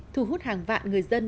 thu hút hàng vạn người dân